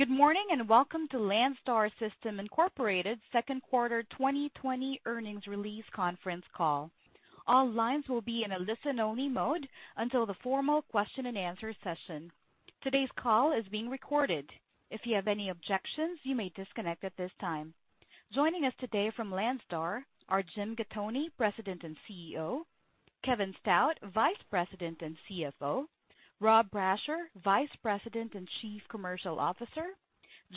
Good morning, and welcome to Landstar System, Inc. Second Quarter 2020 Earnings Release Conference Call. All lines will be in a listen-only mode until the formal question-and-answer session. Today's call is being recorded. If you have any objections, you may disconnect at this time. Joining us today from Landstar are Jim Gattoni, President and CEO, Kevin Stout, Vice President and CFO, Rob Brasher, Vice President and Chief Commercial Officer,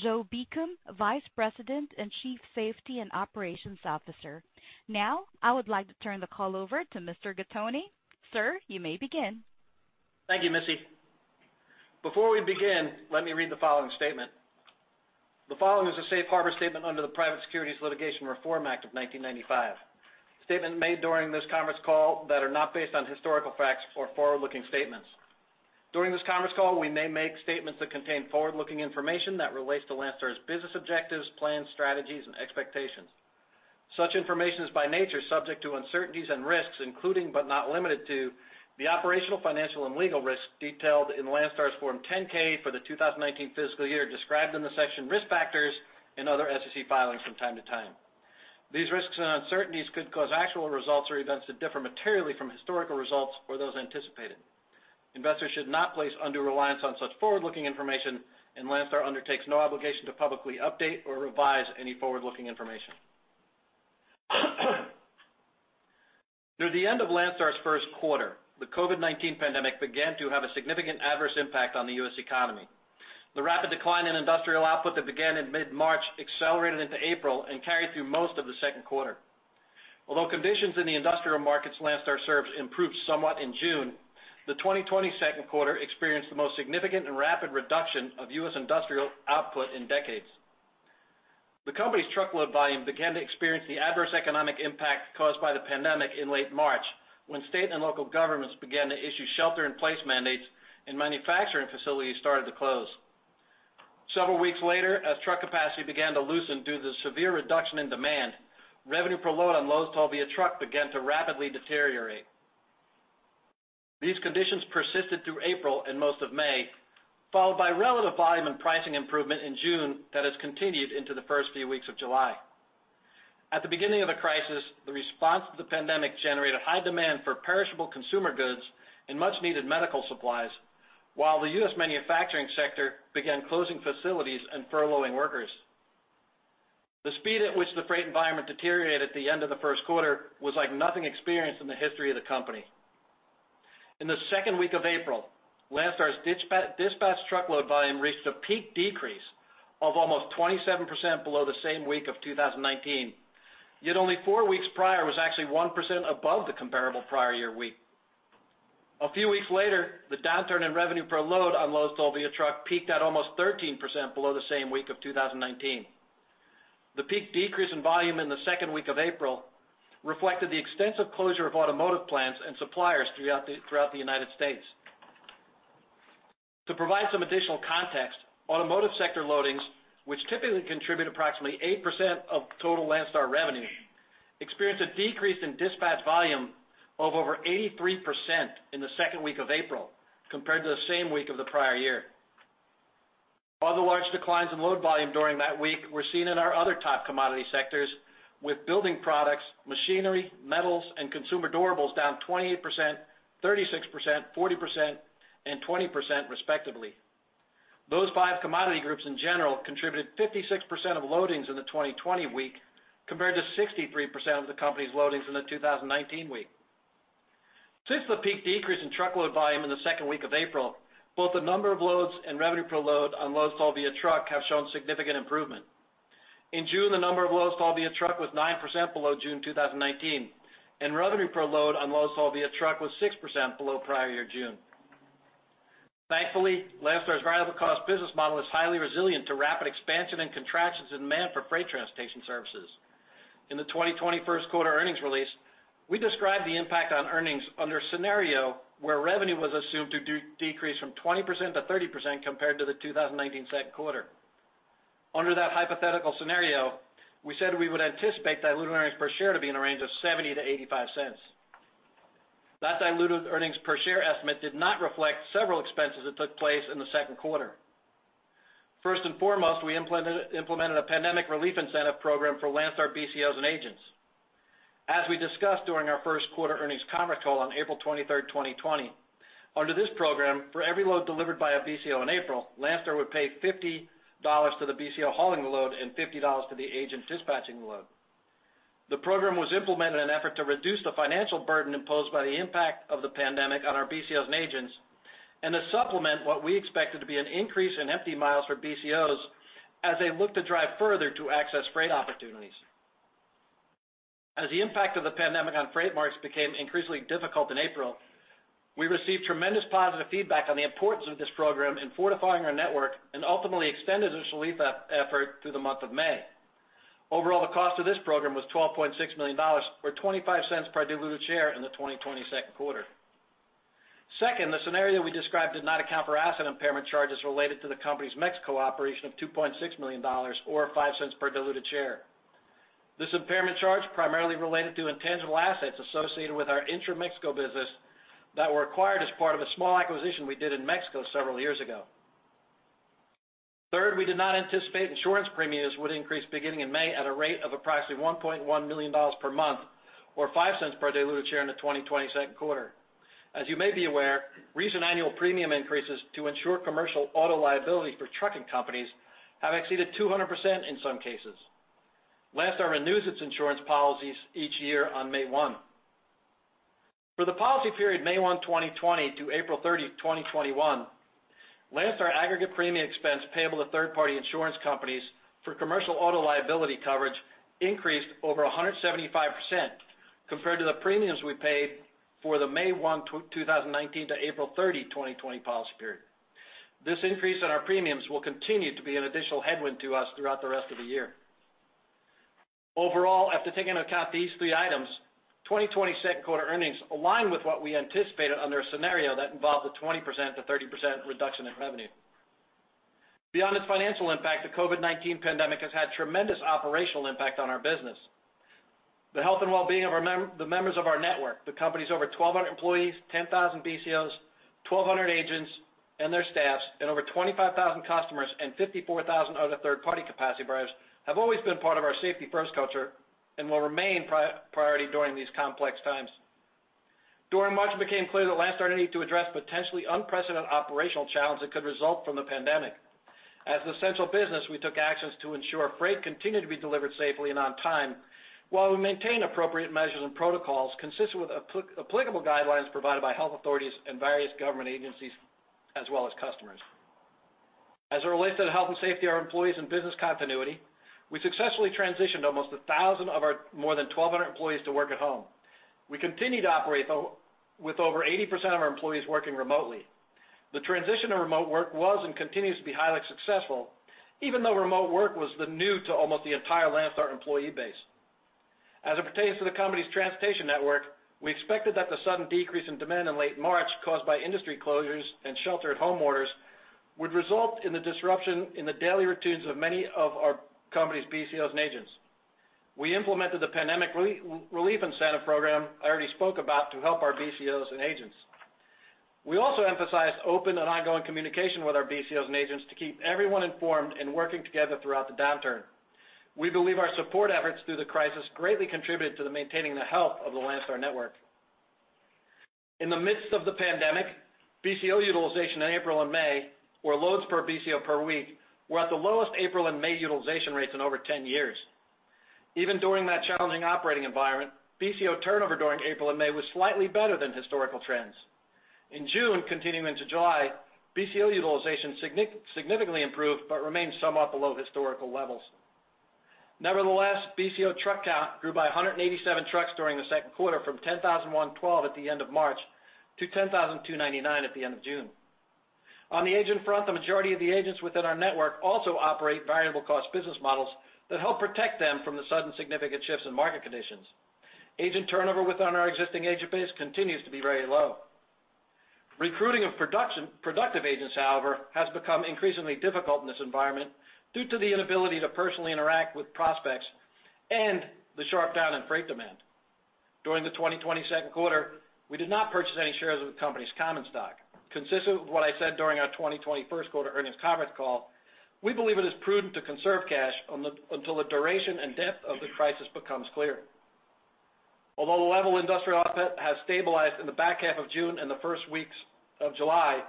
Joe Beacom, Vice President and Chief Safety and Operations Officer. Now, I would like to turn the call over to Mr. Gattoni. Sir, you may begin. Thank you, Missy. Before we begin, let me read the following statement. The following is a safe harbor statement under the Private Securities Litigation Reform Act of 1995. Statement made during this conference call that are not based on historical facts or forward-looking statements. During this conference call, we may make statements that contain forward-looking information that relates to Landstar's business objectives, plans, strategies, and expectations. Such information is, by nature, subject to uncertainties and risks, including, but not limited to, the operational, financial, and legal risks detailed in Landstar's Form 10-K for the 2019 fiscal year, described in the section Risk Factors and other SEC filings from time to time. These risks and uncertainties could cause actual results or events to differ materially from historical results or those anticipated. Investors should not place undue reliance on such forward-looking information, and Landstar undertakes no obligation to publicly update or revise any forward-looking information. Near the end of Landstar's first quarter, the COVID-19 pandemic began to have a significant adverse impact on the U.S. economy. The rapid decline in industrial output that began in mid-March accelerated into April and carried through most of the second quarter. Although conditions in the industrial markets Landstar serves improved somewhat in June, the 2020 second quarter experienced the most significant and rapid reduction of U.S. industrial output in decades. The company's truckload volume began to experience the adverse economic impact caused by the pandemic in late March, when state and local governments began to issue shelter-in-place mandates and manufacturing facilities started to close. Several weeks later, as truck capacity began to loosen due to the severe reduction in demand, revenue per load on loads hauled via truck began to rapidly deteriorate. These conditions persisted through April and most of May, followed by relative volume and pricing improvement in June that has continued into the first few weeks of July. At the beginning of the crisis, the response to the pandemic generated high demand for perishable consumer goods and much-needed medical supplies, while the U.S. manufacturing sector began closing facilities and furloughing workers. The speed at which the freight environment deteriorated at the end of the first quarter was like nothing experienced in the history of the company. In the second week of April, Landstar's dispatched truckload volume reached a peak decrease of almost 27% below the same week of 2019, yet only four weeks prior, was actually 1% above the comparable prior year week. A few weeks later, the downturn in revenue per load on loads hauled via truck peaked at almost 13% below the same week of 2019. The peak decrease in volume in the second week of April reflected the extensive closure of automotive plants and suppliers throughout the United States. To provide some additional context, automotive sector loadings, which typically contribute approximately 8% of total Landstar revenue, experienced a decrease in dispatch volume of over 83% in the second week of April compared to the same week of the prior year. Other large declines in load volume during that week were seen in our other top commodity sectors, with building products, machinery, metals, and consumer durables down 28%, 36%, 40%, and 20%, respectively. Those five commodity groups, in general, contributed 56% of loadings in the 2020 week, compared to 63% of the company's loadings in the 2019 week. Since the peak decrease in truckload volume in the second week of April, both the number of loads and revenue per load on loads hauled via truck have shown significant improvement. In June, the number of loads hauled via truck was 9% below June 2019, and revenue per load on loads hauled via truck was 6% below prior year June. Thankfully, Landstar's variable cost business model is highly resilient to rapid expansion and contractions in demand for freight transportation services. In the 2020 first quarter earnings release, we described the impact on earnings under a scenario where revenue was assumed to decrease from 20%-30% compared to the 2019 second quarter. Under that hypothetical scenario, we said we would anticipate diluted earnings per share to be in a range of $0.70-$0.85. That diluted earnings per share estimate did not reflect several expenses that took place in the second quarter. First and foremost, we implemented a pandemic relief incentive program for Landstar BCOs and agents. As we discussed during our first quarter Earnings Conference Call on April 23, 2020, under this program, for every load delivered by a BCO in April, Landstar would pay $50 to the BCO hauling the load and $50 to the agent dispatching the load. The program was implemented in an effort to reduce the financial burden imposed by the impact of the pandemic on our BCOs and agents, and to supplement what we expected to be an increase in empty miles for BCOs as they looked to drive further to access freight opportunities. As the impact of the pandemic on freight markets became increasingly difficult in April, we received tremendous positive feedback on the importance of this program in fortifying our network and ultimately extended this relief effort through the month of May. Overall, the cost of this program was $12.6 million, or $0.25 per diluted share in the 2020 second quarter. Second, the scenario we described did not account for asset impairment charges related to the company's Mexico operation of $2.6 million, or $0.05 per diluted share.... This impairment charge primarily related to intangible assets associated with our intra-Mexico business that were acquired as part of a small acquisition we did in Mexico several years ago. Third, we did not anticipate insurance premiums would increase beginning in May at a rate of approximately $1.1 million per month, or $0.05 per diluted share in the 2020 second quarter. As you may be aware, recent annual premium increases to insure commercial auto liability for trucking companies have exceeded 200% in some cases. Landstar renews its insurance policies each year on May 1. For the policy period, May 1, 2020 to April 30, 2021, Landstar aggregate premium expense payable to third-party insurance companies for commercial auto liability coverage increased over 175%, compared to the premiums we paid for the May 1, 2019 to April 30, 2020 policy period. This increase in our premiums will continue to be an additional headwind to us throughout the rest of the year. Overall, after taking into account these three items, 2020 second quarter earnings align with what we anticipated under a scenario that involved a 20%-30% reduction in revenue. Beyond its financial impact, the COVID-19 pandemic has had tremendous operational impact on our business. The health and well-being of our members of our network, the company's over 1,200 employees, 10,000 BCOs, 1,200 agents and their staffs, and over 25,000 customers, and 54,000 other third-party capacity drivers, have always been part of our safety-first culture and will remain priority during these complex times. During March, it became clear that Landstar needed to address potentially unprecedented operational challenges that could result from the pandemic. As an essential business, we took actions to ensure freight continued to be delivered safely and on time, while we maintained appropriate measures and protocols consistent with applicable guidelines provided by health authorities and various government agencies, as well as customers. As it relates to the health and safety of our employees and business continuity, we successfully transitioned almost a thousand of our more than 1,200 employees to work at home. We continue to operate, though, with over 80% of our employees working remotely. The transition to remote work was and continues to be highly successful, even though remote work was new to almost the entire Landstar employee base. As it pertains to the company's transportation network, we expected that the sudden decrease in demand in late March, caused by industry closures and shelter-at-home orders, would result in the disruption in the daily routines of many of our company's BCOs and agents. We implemented the Pandemic Relief Incentive Program I already spoke about to help our BCOs and agents. We also emphasized open and ongoing communication with our BCOs and agents to keep everyone informed and working together throughout the downturn. We believe our support efforts through the crisis greatly contributed to maintaining the health of the Landstar network. In the midst of the pandemic, BCO utilization in April and May, or loads per BCO per week, were at the lowest April and May utilization rates in over 10 years. Even during that challenging operating environment, BCO turnover during April and May was slightly better than historical trends. In June, continuing into July, BCO utilization significantly improved, but remains somewhat below historical levels. Nevertheless, BCO truck count grew by 187 trucks during the second quarter from 10,112 at the end of March to 10,299 at the end of June. On the agent front, the majority of the agents within our network also operate variable cost business models that help protect them from the sudden significant shifts in market conditions. Agent turnover within our existing agent base continues to be very low. Recruiting of productive agents, however, has become increasingly difficult in this environment due to the inability to personally interact with prospects and the sharp down in freight demand. During the 2020 second quarter, we did not purchase any shares of the company's common stock. Consistent with what I said during our 2020 first quarter Earnings Conference Call, we believe it is prudent to conserve cash on the, until the duration and depth of the crisis becomes clear. Although the level of industrial output has stabilized in the back half of June and the first weeks of July,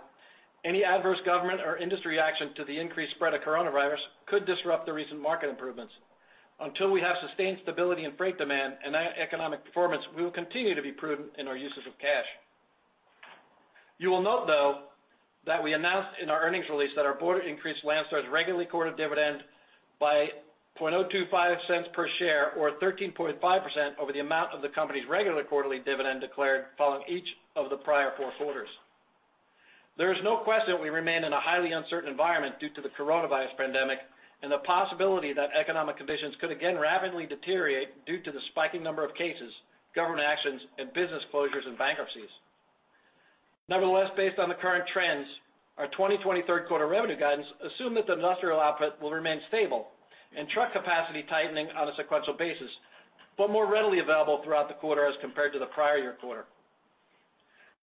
any adverse government or industry action to the increased spread of coronavirus could disrupt the recent market improvements. Until we have sustained stability in freight demand and economic performance, we will continue to be prudent in our uses of cash. You will note, though, that we announced in our earnings release that our board increased Landstar's regular quarterly dividend by 0.025 cents per share, or 13.5%, over the amount of the company's regular quarterly dividend declared following each of the prior four quarters. There is no question we remain in a highly uncertain environment due to the coronavirus pandemic, and the possibility that economic conditions could again rapidly deteriorate due to the spiking number of cases, government actions, and business closures and bankruptcies. Nevertheless, based on the current trends, our 2020 third quarter revenue guidance assume that the industrial output will remain stable, and truck capacity tightening on a sequential basis, but more readily available throughout the quarter as compared to the prior year quarter.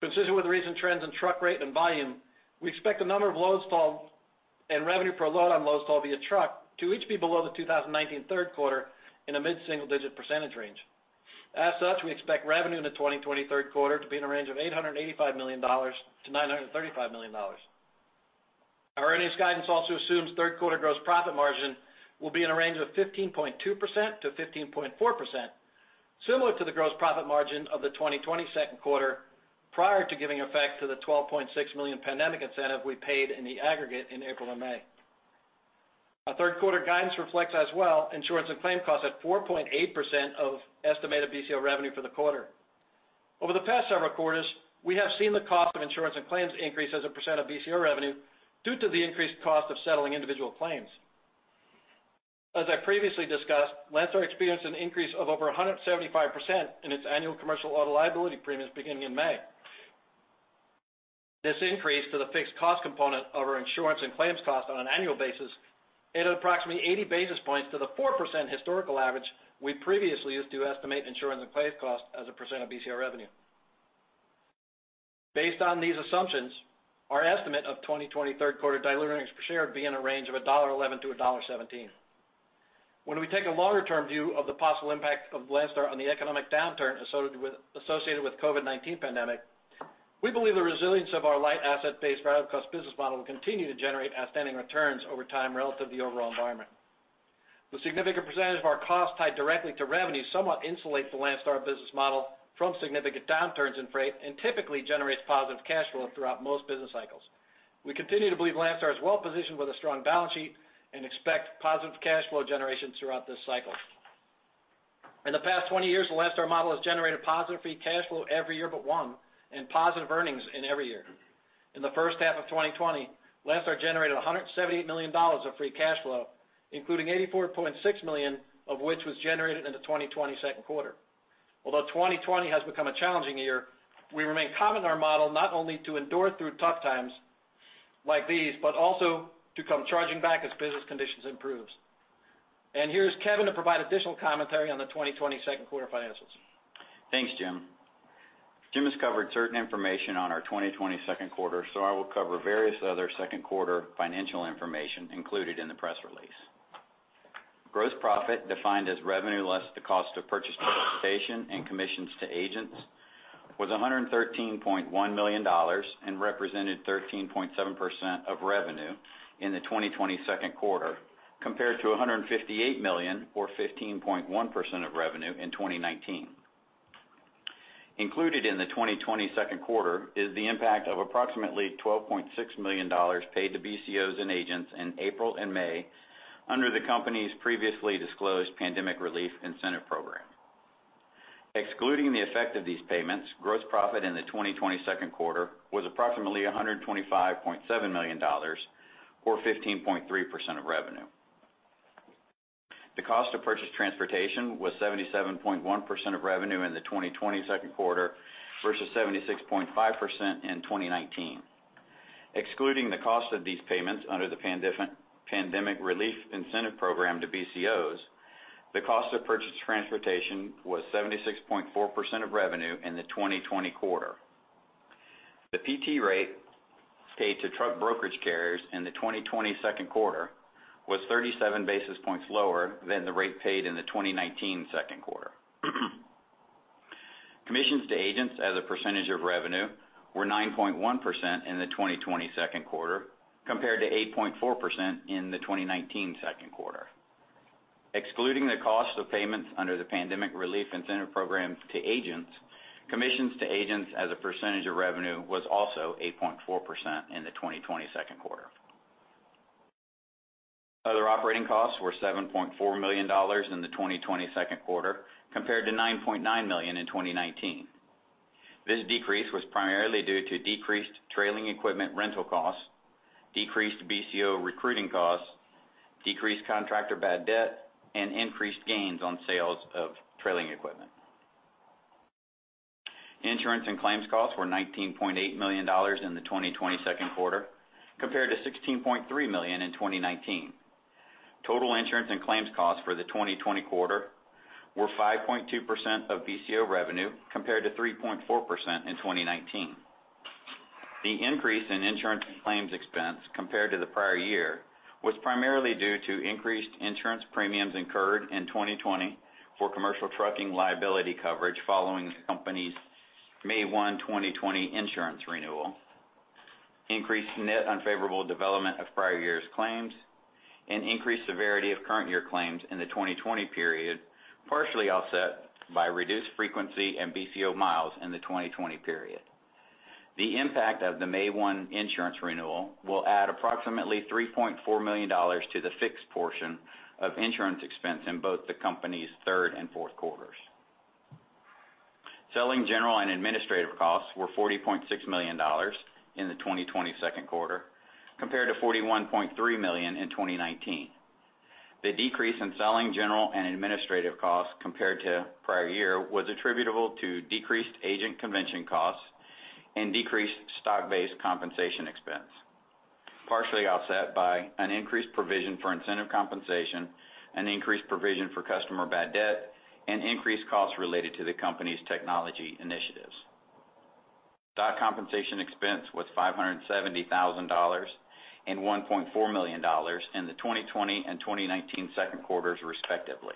Consistent with the recent trends in truck rate and volume, we expect the number of loads hauled and revenue per load on loads hauled via truck to each be below the 2019 third quarter in a mid-single-digit percentage range. As such, we expect revenue in the 2020 third quarter to be in a range of $885 million-$935 million. Our earnings guidance also assumes third quarter gross profit margin will be in a range of 15.2%-15.4%, similar to the gross profit margin of the 2020 quarter, prior to giving effect to the $12.6 million pandemic incentive we paid in the aggregate in April and May. Our third quarter guidance reflects as well, insurance and claim costs at 4.8% of estimated BCO revenue for the quarter. Over the past several quarters, we have seen the cost of insurance and claims increase as a percent of BCO revenue due to the increased cost of settling individual claims. As I previously discussed, Landstar experienced an increase of over 175% in its annual commercial auto liability premiums beginning in May. This increase to the fixed cost component of our insurance and claims cost on an annual basis added approximately 80 basis points to the 4% historical average we previously used to estimate insurance and claims costs as a percent of BCO revenue. Based on these assumptions, our estimate of 2020 third quarter diluted earnings per share would be in a range of $1.11-$1.17. When we take a longer-term view of the possible impact of Landstar on the economic downturn associated with COVID-19 pandemic, we believe the resilience of our light asset-based variable cost business model will continue to generate outstanding returns over time relative to the overall environment. The significant percentage of our costs tied directly to revenue somewhat insulates the Landstar business model from significant downturns in freight, and typically generates positive cash flow throughout most business cycles. We continue to believe Landstar is well-positioned with a strong balance sheet and expect positive cash flow generation throughout this cycle. In the past 20 years, the Landstar model has generated positive free cash flow every year but one, and positive earnings in every year. In the first half of 2020, Landstar generated $178 million of free cash flow, including $84.6 million, of which was generated in the 2020 second quarter. Although 2020 has become a challenging year, we remain confident in our model, not only to endure through tough times like these, but also to come charging back as business conditions improves. Here's Kevin to provide additional commentary on the 2020 second quarter financials. Thanks, Jim. Jim has covered certain information on our 2022 second quarter, so I will cover various other second quarter financial information included in the press release. Gross profit, defined as revenue less the cost of purchased transportation and commissions to agents, was $113.1 million and represented 13.7% of revenue in the 2022 second quarter, compared to $158 million, or 15.1% of revenue in 2019. Included in the 2022 second quarter is the impact of approximately $12.6 million paid to BCOs and agents in April and May under the company's previously disclosed Pandemic Relief Incentive Program. Excluding the effect of these payments, gross profit in the 2022 second quarter was approximately $125.7 million or 15.3% of revenue. The cost of purchased transportation was 77.1% of revenue in the 2020 second quarter versus 76.5% in 2019. Excluding the cost of these payments under the Pandemic, Pandemic Relief Incentive Program to BCOs, the cost of purchased transportation was 76.4% of revenue in the 2020 quarter. The PT rate paid to truck brokerage carriers in the 2020 second quarter was 37 basis points lower than the rate paid in the 2019 second quarter. Commissions to agents as a percentage of revenue were 9.1% in the 2020 second quarter, compared to 8.4% in the 2019 second quarter. Excluding the cost of payments under the Pandemic Relief Incentive Program to agents, commissions to agents as a percentage of revenue was also 8.4% in the 2022 second quarter. Other operating costs were $7.4 million in the 2022 second quarter, compared to $9.9 million in 2019. This decrease was primarily due to decreased trailing equipment rental costs, decreased BCO recruiting costs, decreased contractor bad debt, and increased gains on sales of trailing equipment. Insurance and claims costs were $19.8 million in the 2022 second quarter, compared to $16.3 million in 2019. Total insurance and claims costs for the 2020 quarter were 5.2% of BCO revenue, compared to 3.4% in 2019. The increase in insurance and claims expense compared to the prior year was primarily due to increased insurance premiums incurred in 2020 for commercial trucking liability coverage following the company's May 1, 2020 insurance renewal, increased net unfavorable development of prior years' claims, and increased severity of current year claims in the 2020 period, partially offset by reduced frequency and BCO miles in the 2020 period. The impact of the May 1 insurance renewal will add approximately $3.4 million to the fixed portion of insurance expense in both the company's third and fourth quarters. Selling, general, and administrative costs were $40.6 million in the 2020 second quarter, compared to $41.3 million in 2019. The decrease in selling, general, and administrative costs compared to prior year was attributable to decreased agent convention costs and decreased stock-based compensation expense, partially offset by an increased provision for incentive compensation, an increased provision for customer bad debt, and increased costs related to the company's technology initiatives. Stock compensation expense was $570,000 and $1.4 million in the 2020 and 2019 second quarters, respectively.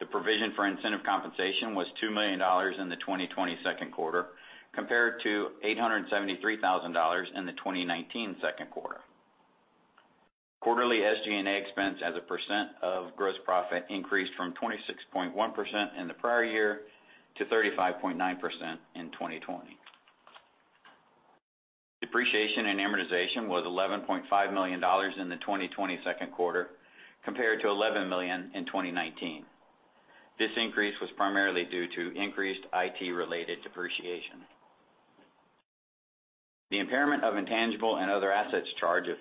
The provision for incentive compensation was $2 million in the 2020 second quarter, compared to $873,000 in the 2019 second quarter. Quarterly SG&A expense as a percent of gross profit increased from 26.1% in the prior year to 35.9% in 2020. Depreciation and amortization was $11.5 million in the 2022 second quarter, compared to $11 million in 2019. This increase was primarily due to increased IT-related depreciation. The impairment of intangible and other assets charge of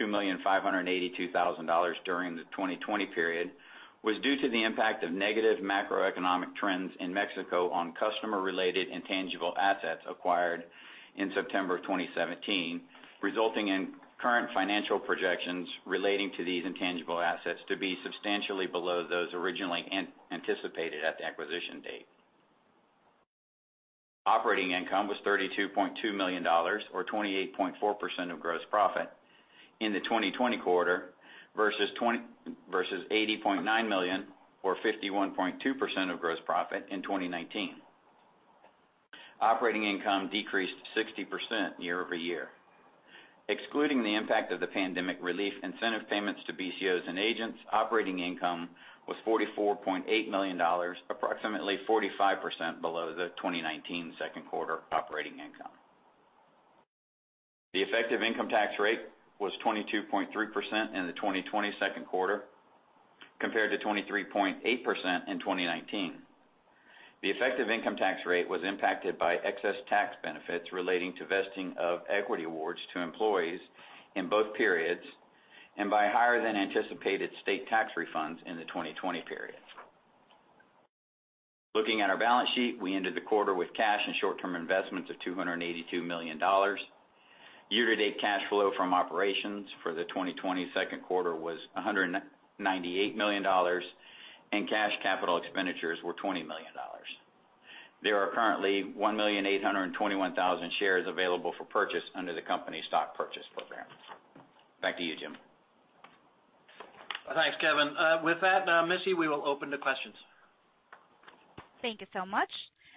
$2.582 million during the 2020 period was due to the impact of negative macroeconomic trends in Mexico on customer-related intangible assets acquired in September 2017, resulting in current financial projections relating to these intangible assets to be substantially below those originally anticipated at the acquisition date. Operating income was $32.2 million, or 28.4% of gross profit in the 2020 quarter, versus $80.9 million, or 51.2% of gross profit in 2019. Operating income decreased 60% year-over-year. Excluding the impact of the pandemic relief incentive payments to BCOs and agents, operating income was $44.8 million, approximately 45% below the 2019 second quarter operating income. The effective income tax rate was 22.3% in the 2020 second quarter, compared to 23.8% in 2019. The effective income tax rate was impacted by excess tax benefits relating to vesting of equity awards to employees in both periods, and by higher than anticipated state tax refunds in the 2020 period. Looking at our balance sheet, we ended the quarter with cash and short-term investments of $282 million. Year-to-date cash flow from operations for the 2020 second quarter was $198 million, and cash capital expenditures were $20 million. There are currently 1,821,000 shares available for purchase under the company's stock purchase program. Back to you, Jim. Thanks, Kevin. With that, Missy, we will open to questions. Thank you so much.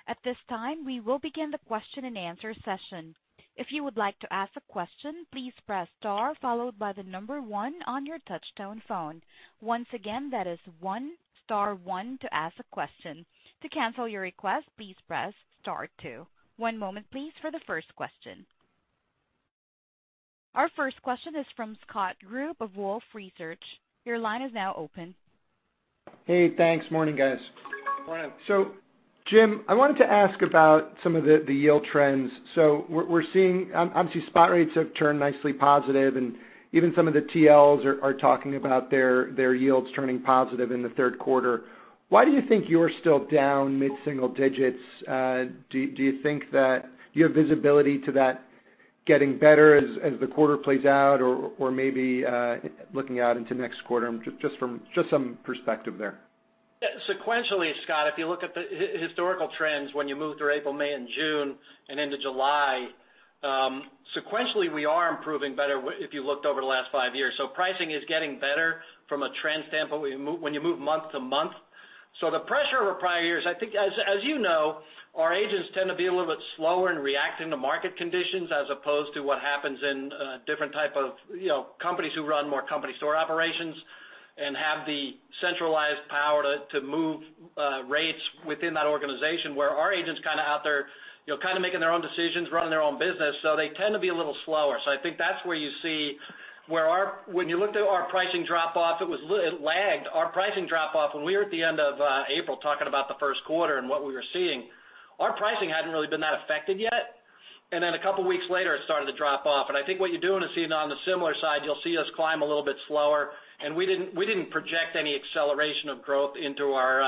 At this time, we will begin the question-and-answer session. If you would like to ask a question, please press star followed by the number one on your touchtone phone. Once again, that is one star one to ask a question. To cancel your request, please press star two. One moment please for the first question. Our first question is from Scott Group of Wolfe Research. Your line is now open. Hey, thanks. Morning, guys. Morning. So Jim, I wanted to ask about some of the yield trends. So we're seeing, obviously, spot rates have turned nicely positive, and even some of the TLs are talking about their yields turning positive in the third quarter. Why do you think you're still down mid-single digits? Do you think that you have visibility to that getting better as the quarter plays out, or maybe looking out into next quarter? Just some perspective there. Yeah. Sequentially, Scott, if you look at the historical trends, when you move through April, May, and June, and into July, sequentially, we are improving better if you looked over the last five years. So pricing is getting better from a trend standpoint, when you move, when you move month to month. So the pressure over prior years, I think, as, as you know, our agents tend to be a little bit slower in reacting to market conditions, as opposed to what happens in different type of, you know, companies who run more company store operations and have the centralized power to, to move rates within that organization, where our agents kind of out there, you know, kind of making their own decisions, running their own business, so they tend to be a little slower. So I think that's where you see where our when you looked at our pricing drop-off, it was it lagged. Our pricing drop-off when we were at the end of April, talking about the first quarter and what we were seeing, our pricing hadn't really been that affected yet, and then a couple weeks later, it started to drop off. And I think what you're doing is seeing on the similar side, you'll see us climb a little bit slower, and we didn't, we didn't project any acceleration of growth into our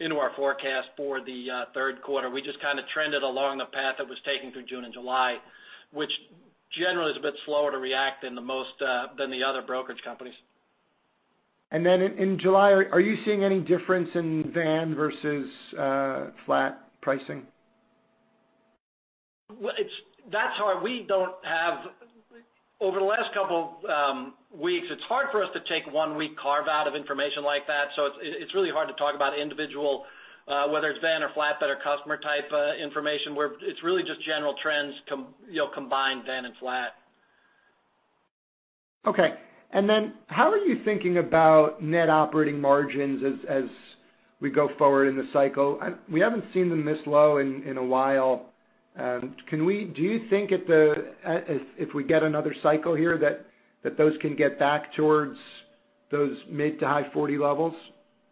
into our forecast for the third quarter. We just kind of trended along the path that was taken through June and July, which generally is a bit slower to react than the most than the other brokerage companies. And then in July, are you seeing any difference in van versus flat pricing? Well, it's that's hard. We don't have... Over the last couple weeks, it's hard for us to take one week carve-out of information like that, so it's really hard to talk about individual whether it's van or flat that are customer type information, where it's really just general trends you know, combined van and flat. Okay. And then how are you thinking about net operating margins as we go forward in the cycle? We haven't seen them this low in a while. Do you think if we get another cycle here, that those can get back towards those mid- to high-40 levels?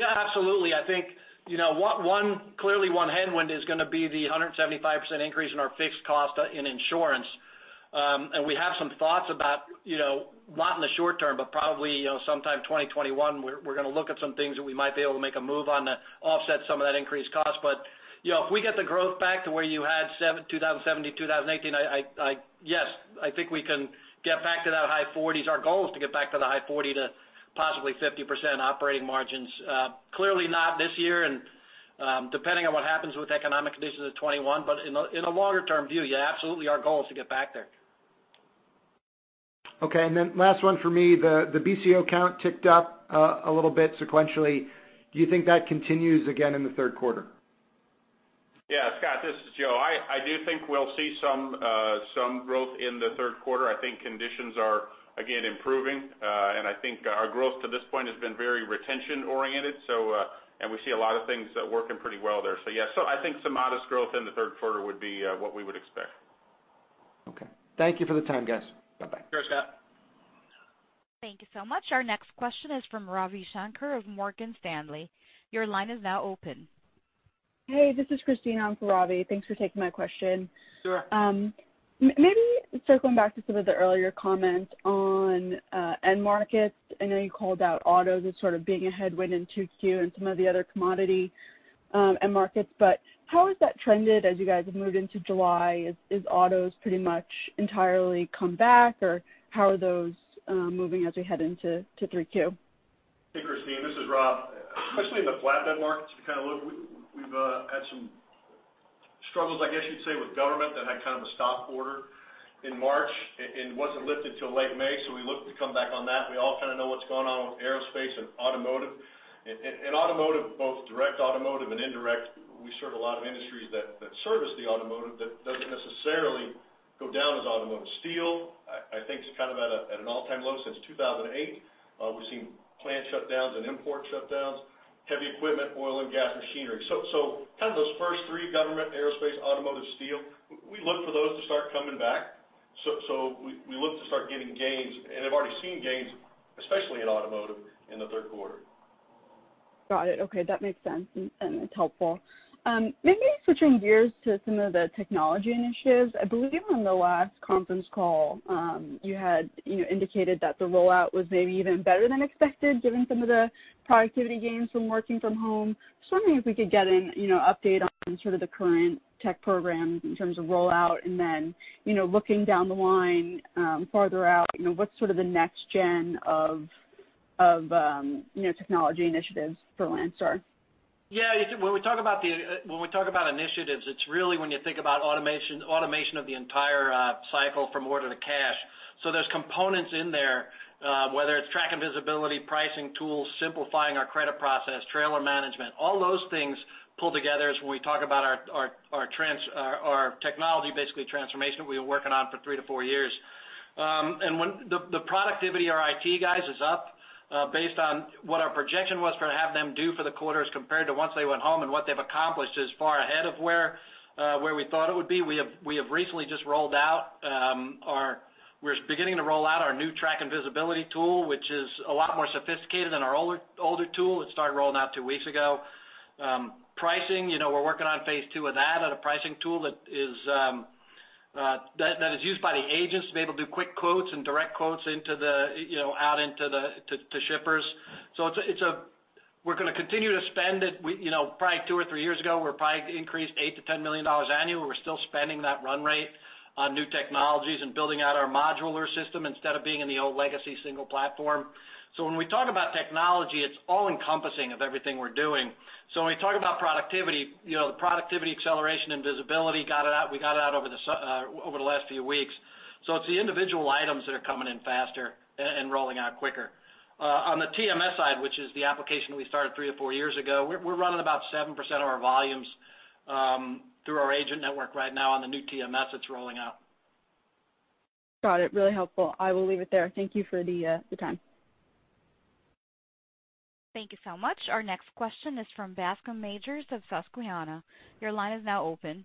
Yeah, absolutely. I think, you know, one, one, clearly one headwind is gonna be the 175% increase in our fixed cost in insurance. And we have some thoughts about, you know, not in the short term, but probably, you know, sometime 2021, we're, we're gonna look at some things that we might be able to make a move on to offset some of that increased cost. But, you know, if we get the growth back to where you had seven-- 2017 to 2018, I, I, yes, I think we can get back to that high 40s. Our goal is to get back to the high 40 to possibly 50% operating margins. Clearly not this year, and depending on what happens with economic conditions in 2021, but in a longer term view, yeah, absolutely, our goal is to get back there. Okay, and then last one for me. The BCO count ticked up a little bit sequentially. Do you think that continues again in the third quarter? Yeah, Scott, this is Joe. I, I do think we'll see some, some growth in the third quarter. I think conditions are, again, improving, and I think our growth to this point has been very retention-oriented, so, and we see a lot of things working pretty well there. So yeah, so I think some modest growth in the third quarter would be, what we would expect. Okay. Thank you for the time, guys. Bye-bye. Sure, Scott. Thank you so much. Our next question is from Ravi Shanker of Morgan Stanley. Your line is now open. Hey, this is Christine on for Ravi. Thanks for taking my question. Sure. Maybe circling back to some of the earlier comments on end markets. I know you called out autos as sort of being a headwind in 2Q and some of the other commodity end markets. But how has that trended as you guys have moved into July? Is autos pretty much entirely come back, or how are those moving as we head into 3Q? Hey, Christine, this is Rob. Especially in the flatbed markets, we kind of look. We've had some struggles, I guess you'd say, with government that had kind of a stop order in March and wasn't lifted till late May, so we look to come back on that. We all kind of know what's going on with aerospace and automotive. And automotive, both direct automotive and indirect, we serve a lot of industries that service the automotive that doesn't necessarily go down as automotive. Steel, I think, is kind of at an all-time low since 2008. We've seen plant shutdowns and import shutdowns, heavy equipment, oil and gas machinery. So kind of those first three, government, aerospace, automotive, steel, we look for those to start coming back. So we look to start getting gains, and I've already seen gains, especially in automotive, in the third quarter. Got it. Okay, that makes sense, and it's helpful. Maybe switching gears to some of the technology initiatives. I believe on the last conference call, you had, you know, indicated that the rollout was maybe even better than expected, given some of the productivity gains from working from home. Just wondering if we could get an, you know, update on sort of the current tech programs in terms of rollout, and then, you know, looking down the line, farther out, you know, what's sort of the next gen of technology initiatives for Landstar? Yeah, when we talk about the, when we talk about initiatives, it's really when you think about automation of the entire cycle from order to cash. So there's components in there, whether it's track and visibility, pricing tools, simplifying our credit process, trailer management, all those things pull together as when we talk about our technology, basically, transformation we've been working on for 3-4 years. The productivity our IT guys is up, based on what our projection was for to have them do for the quarters, compared to once they went home and what they've accomplished is far ahead of where we thought it would be. We have recently just rolled out, we're beginning to roll out our new tracking and visibility tool, which is a lot more sophisticated than our older tool. It started rolling out two weeks ago. Pricing, you know, we're working on phase two of that, on a pricing tool that is that is used by the agents to be able to do quick quotes and direct quotes into the, you know, out into the, to shippers. So it's a, it's a. We're going to continue to spend it. You know, probably two or three years ago, we probably increased $8 million-$10 million annually. We're still spending that run rate on new technologies and building out our modular system instead of being in the old legacy single platform. So when we talk about technology, it's all-encompassing of everything we're doing. So when we talk about productivity, you know, the productivity, acceleration, and visibility got it out, we got it out over the last few weeks. So it's the individual items that are coming in faster and rolling out quicker. On the TMS side, which is the application we started three or four years ago, we're running about 7% of our volumes through our agent network right now on the new TMS that's rolling out. Got it. Really helpful. I will leave it there. Thank you for the time. Thank you so much. Our next question is from Bascome Majors of Susquehanna. Your line is now open.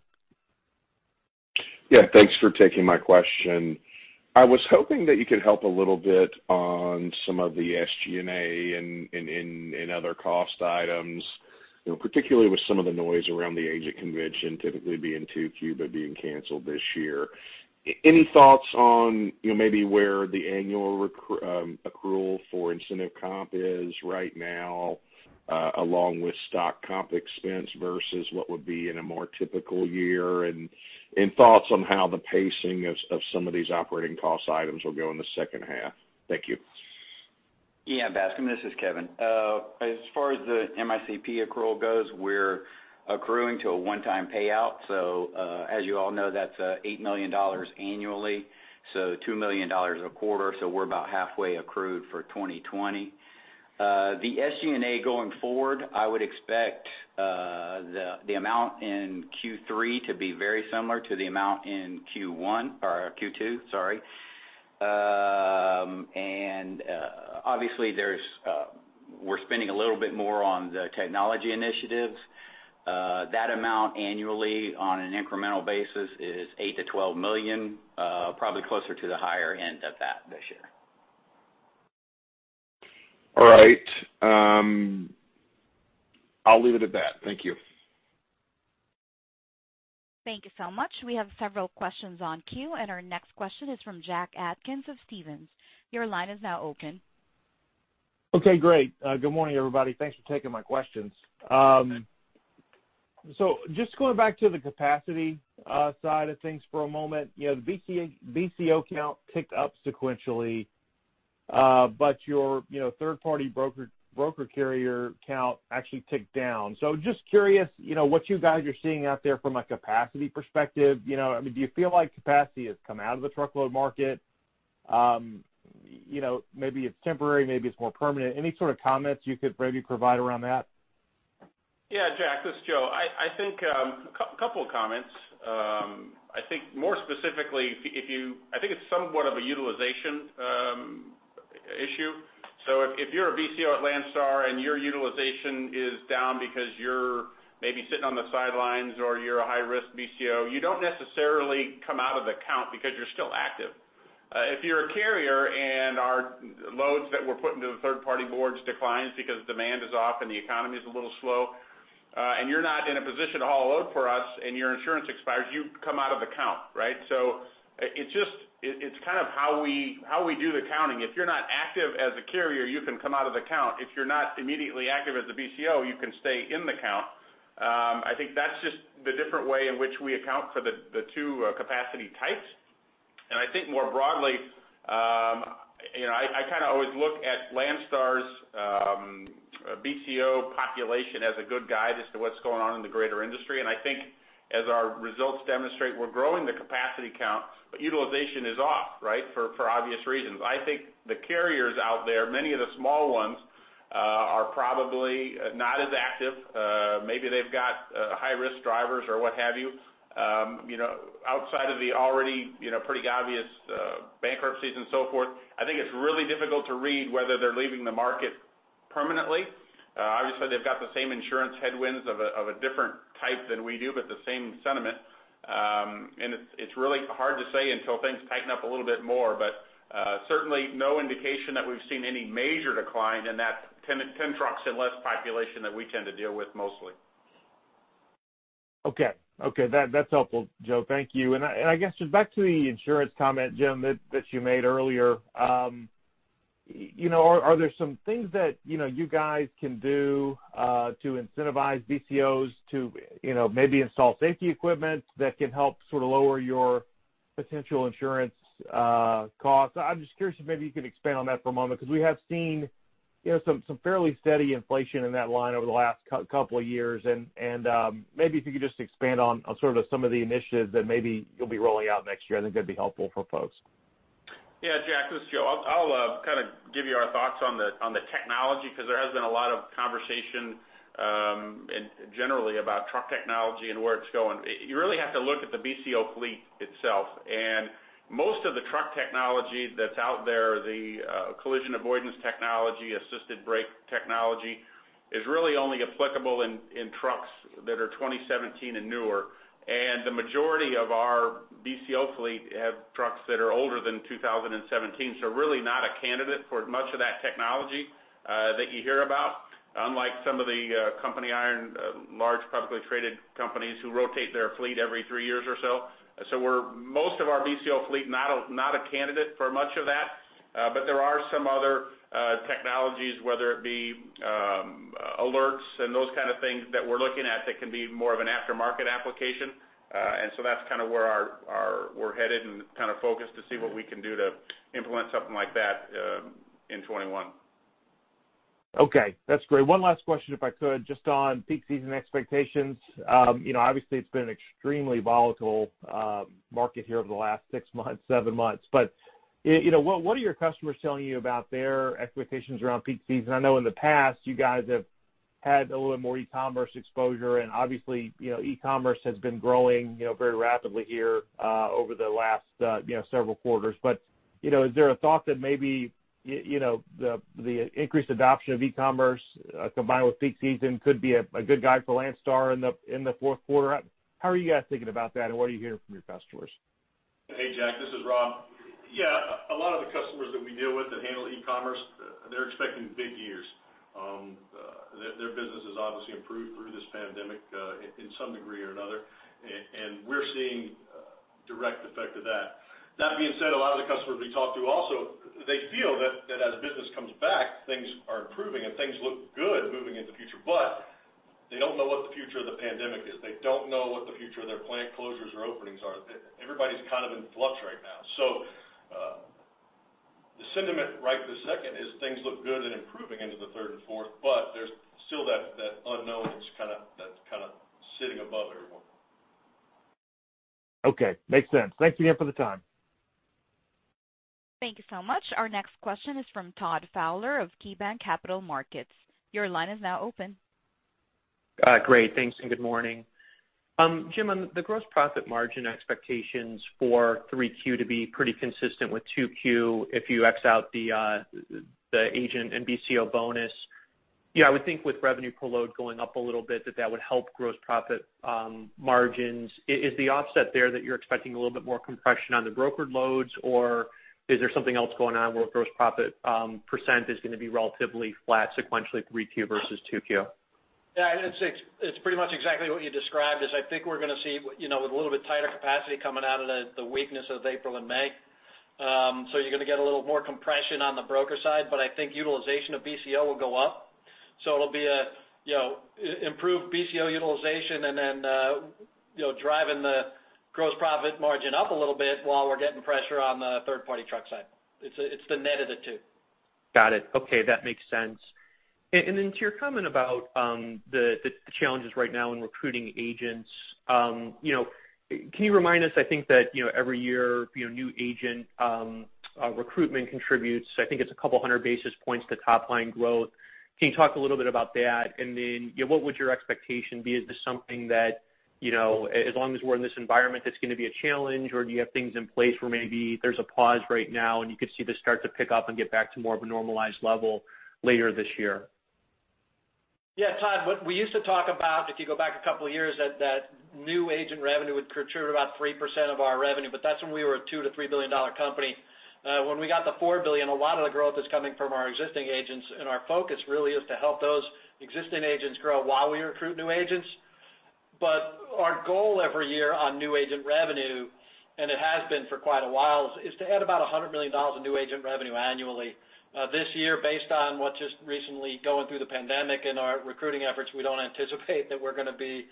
Yeah, thanks for taking my question. I was hoping that you could help a little bit on some of the SG&A and other cost items, you know, particularly with some of the noise around the agent convention typically be in 2Q, but being canceled this year. Any thoughts on, you know, maybe where the annual accrual for incentive comp is right now, along with stock comp expense versus what would be in a more typical year? And thoughts on how the pacing of some of these operating cost items will go in the second half? Thank you. Yeah, Bascome, this is Kevin. As far as the MICP accrual goes, we're accruing to a one-time payout. So, as you all know, that's $8 million annually, so $2 million a quarter, so we're about halfway accrued for 2020. The SG&A going forward, I would expect the amount in Q3 to be very similar to the amount in Q1, or Q2, sorry. And, obviously, we're spending a little bit more on the technology initiatives. That amount annually, on an incremental basis, is $8 million-$12 million, probably closer to the higher end of that this year. All right. I'll leave it at that. Thank you. Thank you so much. We have several questions on queue, and our next question is from Jack Atkins of Stephens. Your line is now open. Okay, great. Good morning, everybody. Thanks for taking my questions. So just going back to the capacity side of things for a moment. You know, the BCO count ticked up sequentially, but your, you know, third-party broker carrier count actually ticked down. So just curious, you know, what you guys are seeing out there from a capacity perspective. You know, I mean, do you feel like capacity has come out of the truckload market? You know, maybe it's temporary, maybe it's more permanent. Any sort of comments you could maybe provide around that? Yeah, Jack, this is Joe. I think couple of comments. I think more specifically, if you, if you. I think it's somewhat of a utilization issue. So if you're a BCO at Landstar and your utilization is down because you're maybe sitting on the sidelines or you're a high-risk BCO, you don't necessarily come out of the count because you're still active. If you're a carrier and our loads that we're putting to the third-party boards declines because demand is off and the economy is a little slow, and you're not in a position to haul load for us, and your insurance expires, you come out of the count, right? So it's just – it's kind of how we do the counting. If you're not active as a carrier, you can come out of the count. If you're not immediately active as a BCO, you can stay in the count. I think that's just the different way in which we account for the two capacity types. I think more broadly, you know, I kind of always look at Landstar's BCO population as a good guide as to what's going on in the greater industry. And I think as our results demonstrate, we're growing the capacity count, but utilization is off, right? For obvious reasons. I think the carriers out there, many of the small ones, are probably not as active. Maybe they've got high-risk drivers or what have you. You know, outside of the already, you know, pretty obvious, bankruptcies and so forth, I think it's really difficult to read whether they're leaving the market permanently. Obviously, they've got the same insurance headwinds of a different type than we do, but the same sentiment. And it's really hard to say until things tighten up a little bit more, but certainly no indication that we've seen any major decline in that 10 trucks and less population that we tend to deal with mostly. Okay. Okay, that's helpful, Joe. Thank you. And I guess just back to the insurance comment, Jim, that you made earlier. You know, are there some things that, you know, you guys can do to incentivize BCOs to, you know, maybe install safety equipment that can help sort of lower your potential insurance costs? I'm just curious if maybe you could expand on that for a moment, because we have seen, you know, some fairly steady inflation in that line over the last couple of years. And maybe if you could just expand on sort of some of the initiatives that maybe you'll be rolling out next year, I think that'd be helpful for folks. Yeah, Jack, this is Joe. I'll kind of give you our thoughts on the technology, because there has been a lot of conversation and generally about truck technology and where it's going. You really have to look at the BCO fleet itself, and most of the truck technology that's out there, the collision avoidance technology, assisted brake technology, is really only applicable in trucks that are 2017 and newer. And the majority of our BCO fleet have trucks that are older than 2017, so really not a candidate for much of that technology that you hear about, unlike some of the company iron, large publicly traded companies who rotate their fleet every three years or so. So we're most of our BCO fleet, not a candidate for much of that, but there are some other technologies, whether it be alerts and those kind of things that we're looking at, that can be more of an aftermarket application. And so that's kind of where we're headed and kind of focused to see what we can do to implement something like that, in 2021. Okay, that's great. One last question, if I could, just on peak season expectations. You know, obviously, it's been an extremely volatile market here over the last six months, seven months. But, you know, what, what are your customers telling you about their expectations around peak season? I know in the past, you guys have had a little bit more e-commerce exposure, and obviously, you know, e-commerce has been growing, you know, very rapidly here over the last, you know, several quarters. But, you know, is there a thought that maybe, you know, the, the increased adoption of e-commerce combined with peak season could be a, a good guide for Landstar in the, in the fourth quarter? How are you guys thinking about that, and what are you hearing from your customers? Hey, Jack, this is Rob. Yeah, a lot of the customers that we deal with that handle e-commerce, they're expecting big years. Their business has obviously improved through this pandemic, in some degree or another, and we're seeing direct effect of that. That being said, a lot of the customers we talk to also, they feel that as business comes back, things are improving and things look good moving into the future, but they don't know what the future of the pandemic is. They don't know what the future of their plant closures or openings are. Everybody's kind of in flux right now. So, the sentiment right this second is things look good and improving into the third and fourth, but there's still that unknown that's kind of sitting above everyone. Okay, makes sense. Thanks again for the time. Thank you so much. Our next question is from Todd Fowler of KeyBanc Capital Markets. Your line is now open. Great, thanks, and good morning. Jim, on the gross profit margin expectations for 3Q to be pretty consistent with 2Q, if you X out the agent and BCO bonus, you know, I would think with revenue per load going up a little bit, that that would help gross profit margins. Is the offset there that you're expecting a little bit more compression on the brokered loads, or is there something else going on where gross profit percent is going to be relatively flat sequentially, 3Q versus 2Q? Yeah, it's pretty much exactly what you described. I think we're going to see, you know, with a little bit tighter capacity coming out of the weakness of April and May. So you're going to get a little more compression on the broker side, but I think utilization of BCO will go up. So it'll be a, you know, improved BCO utilization and then, you know, driving the gross profit margin up a little bit while we're getting pressure on the third-party truck side. It's the net of the two. Got it. Okay, that makes sense. And then to your comment about the challenges right now in recruiting agents, you know, can you remind us, I think that, you know, every year, you know, new agent recruitment contributes, I think it's a couple hundred basis points to top line growth. Can you talk a little bit about that? And then, yeah, what would your expectation be? Is this something that, you know, as long as we're in this environment, it's going to be a challenge, or do you have things in place where maybe there's a pause right now, and you could see this start to pick up and get back to more of a normalized level later this year? Yeah, Todd, what we used to talk about, if you go back a couple of years, that new agent revenue would contribute about 3% of our revenue, but that's when we were a $2 billion-$3 billion company. When we got the $4 billion, a lot of the growth is coming from our existing agents, and our focus really is to help those existing agents grow while we recruit new agents. But our goal every year on new agent revenue, and it has been for quite a while, is to add about $100 million in new agent revenue annually. This year, based on what just recently going through the pandemic and our recruiting efforts, we don't anticipate that we're going to be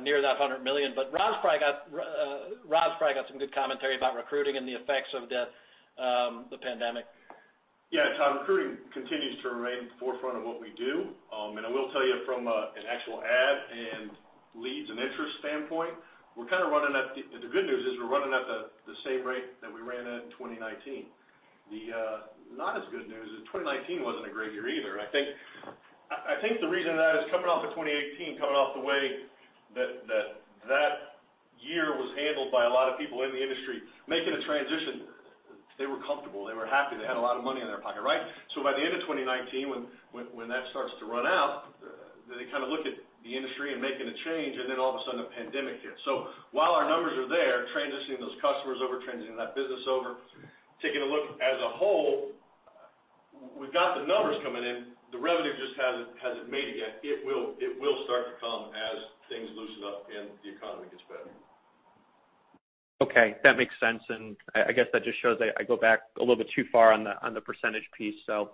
near that $100 million. Rob's probably got some good commentary about recruiting and the effects of the pandemic. Yeah, Todd, recruiting continues to remain at the forefront of what we do. And I will tell you from an actual ad and leads and interest standpoint, we're kind of running at the good news is we're running at the same rate that we ran at in 2019. The not as good news is 2019 wasn't a great year either. I think the reason that is coming off of 2018, coming off the way that year was handled by a lot of people in the industry, making a transition, they were comfortable, they were happy, they had a lot of money in their pocket, right? So by the end of 2019, when that starts to run out, they kind of look at the industry and making a change, and then all of a sudden, a pandemic hits. So while our numbers are there, transitioning those customers over, transitioning that business over, taking a look as a whole, we've got the numbers coming in, the revenue just hasn't made it yet. It will start to come as things loosen up and the economy gets better. Okay, that makes sense. And I guess that just shows I go back a little bit too far on the percentage piece. So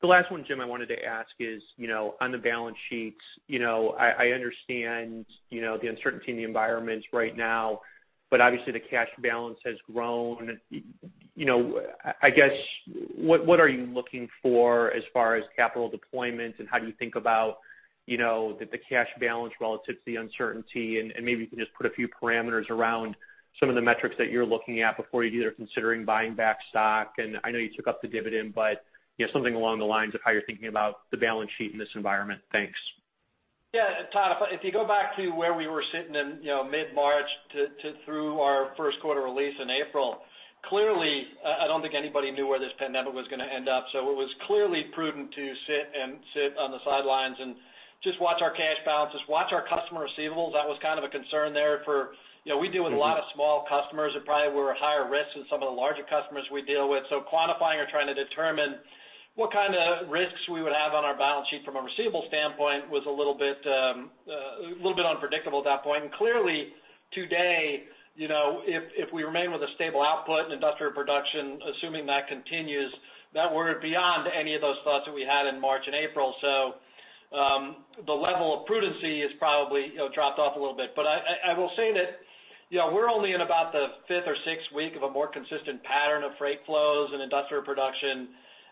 the last one, Jim, I wanted to ask is, you know, on the balance sheets, you know, I understand, you know, the uncertainty in the environment right now, but obviously, the cash balance has grown. You know, I guess, what are you looking for as far as capital deployment? And how do you think about, you know, the cash balance relative to the uncertainty? And maybe you can just put a few parameters around some of the metrics that you're looking at before you're either considering buying back stock, and I know you took up the dividend, but, you know, something along the lines of how you're thinking about the balance sheet in this environment. Thanks. Yeah, Todd, if you go back to where we were sitting in, you know, mid-March to through our first quarter release in April, clearly, I don't think anybody knew where this pandemic was going to end up. So it was clearly prudent to sit on the sidelines and just watch our cash balances, watch our customer receivables. That was kind of a concern there for. You know, we deal with a lot of small customers that probably were at higher risk than some of the larger customers we deal with. So quantifying or trying to determine what kind of risks we would have on our balance sheet from a receivable standpoint was a little bit unpredictable at that point. And clearly, today, you know, if we remain with a stable output and industrial production, assuming that continues, that we're beyond any of those thoughts that we had in March and April. So, the level of prudence is probably, you know, dropped off a little bit. But I will say that, you know, we're only in about the fifth or sixth week of a more consistent pattern of freight flows and industrial production.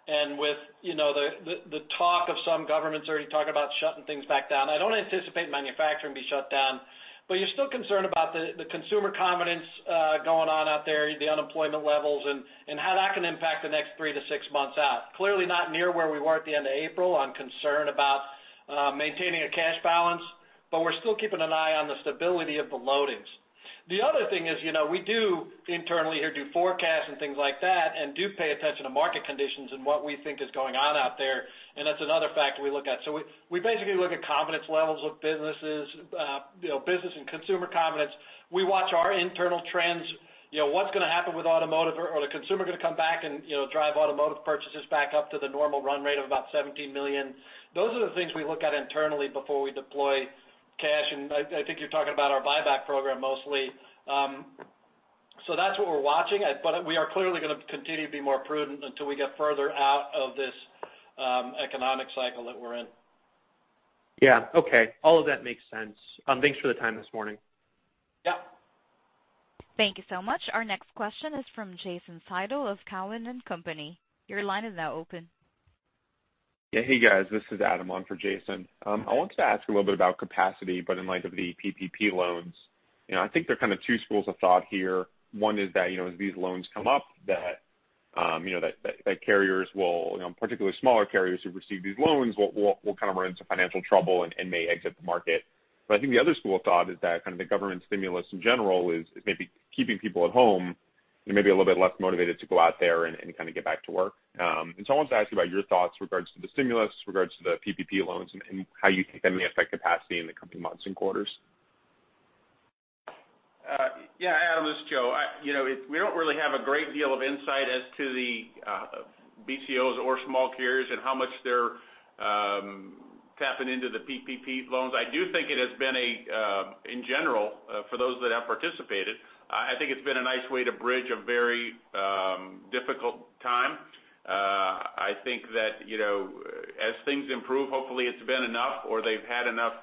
And with, you know, the talk of some governments already talking about shutting things back down, I don't anticipate manufacturing be shut down, but you're still concerned about the consumer confidence going on out there, the unemployment levels and how that can impact the next three to six months out. Clearly not near where we were at the end of April on concern about maintaining a cash balance, but we're still keeping an eye on the stability of the loadings. The other thing is, you know, we do internally here do forecasts and things like that, and do pay attention to market conditions and what we think is going on out there, and that's another factor we look at. So we basically look at confidence levels of businesses, you know, business and consumer confidence. We watch our internal trends, you know, what's going to happen with automotive, or are the consumer going to come back and, you know, drive automotive purchases back up to the normal run rate of about 17 million? Those are the things we look at internally before we deploy cash. And I think you're talking about our buyback program mostly. That's what we're watching, but we are clearly going to continue to be more prudent until we get further out of this economic cycle that we're in. Yeah. Okay. All of that makes sense. Thanks for the time this morning. Yeah. Thank you so much. Our next question is from Jason Seidel of Cowen and Company. Your line is now open. Yeah. Hey, guys, this is Adam on for Jason. I wanted to ask a little bit about capacity, but in light of the PPP loans. You know, I think there are kind of two schools of thought here. One is that, you know, as these loans come up, that, you know, that carriers will, you know, particularly smaller carriers who receive these loans, will kind of run into financial trouble and may exit the market. But I think the other school of thought is that kind of the government stimulus in general is maybe keeping people at home and maybe a little bit less motivated to go out there and kind of get back to work. I wanted to ask you about your thoughts regards to the stimulus, regards to the PPP loans and how you think that may affect capacity in the coming months and quarters? Yeah, Adam, this is Joe. You know, we don't really have a great deal of insight as to the BCOs or small carriers and how much they're tapping into the PPP loans. I do think it has been, in general, for those that have participated, I think it's been a nice way to bridge a very difficult time. I think that, you know, as things improve, hopefully, it's been enough or they've had enough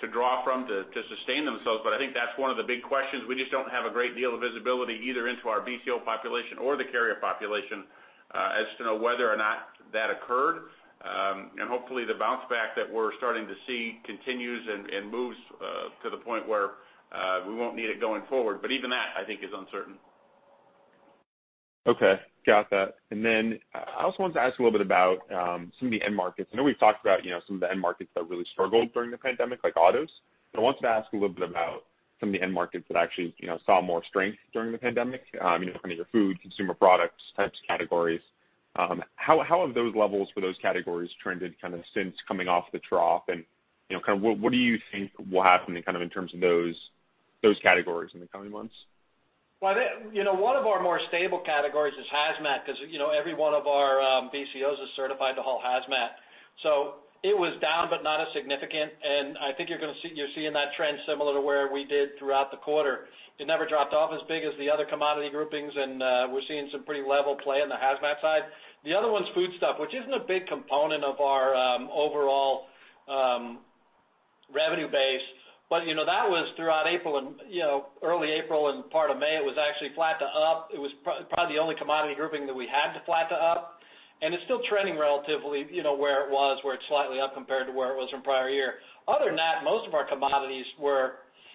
to draw from to sustain themselves, but I think that's one of the big questions. We just don't have a great deal of visibility, either into our BCO population or the carrier population, as to know whether or not that occurred. And hopefully, the bounce back that we're starting to see continues and moves to the point where we won't need it going forward. But even that, I think, is uncertain. Okay, got that. And then I also wanted to ask a little bit about some of the end markets. I know we've talked about, you know, some of the end markets that really struggled during the pandemic, like autos. But I wanted to ask a little bit about some of the end markets that actually, you know, saw more strength during the pandemic, you know, kind of your food, consumer products, types, categories. How, how have those levels for those categories trended kind of since coming off the trough? And, you know, kind of what, what do you think will happen in kind of in terms of those- those categories in the coming months? Well, they, you know, one of our more stable categories is Hazmat, 'cause, you know, every one of our BCOs is certified to haul Hazmat. So it was down, but not as significant, and I think you're gonna see- you're seeing that trend similar to where we did throughout the quarter. It never dropped off as big as the other commodity groupings, and we're seeing some pretty level play on the Hazmat side. The other one's food stuff, which isn't a big component of our overall revenue base. But, you know, that was throughout April and, you know, early April and part of May, it was actually flat to up. It was probably the only commodity grouping that we had to flat to up, and it's still trending relatively, you know, where it was, where it's slightly up compared to where it was from prior year. Other than that, most of our commodities were,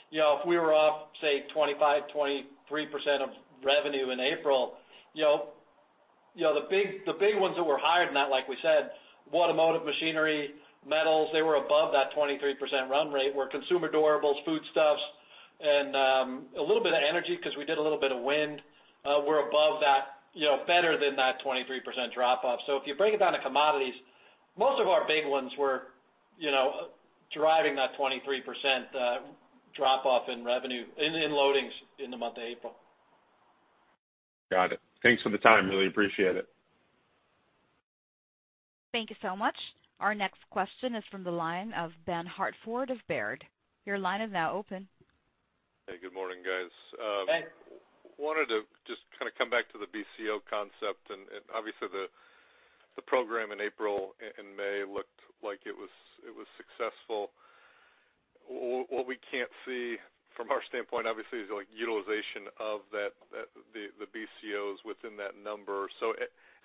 you know, if we were off, say, 25%, 23% of revenue in April, you know, you know, the big, the big ones that were higher than that, like we said, automotive, machinery, metals, they were above that 23% run rate, where consumer durables, food stuffs, and a little bit of energy, 'cause we did a little bit of wind, were above that, you know, better than that 23% drop off. If you break it down to commodities, most of our big ones were, you know, driving that 23% drop off in revenue, in loadings in the month of April. Got it. Thanks for the time. Really appreciate it. Thank you so much. Our next question is from the line of Ben Hartford of Baird. Your line is now open. Hey, good morning, guys. Hey. Wanted to just kind of come back to the BCO concept, and obviously, the program in April and May looked like it was successful. What we can't see from our standpoint, obviously, is like utilization of that, the BCOs within that number. So